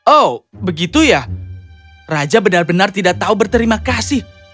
oh begitu ya raja benar benar tidak tahu berterima kasih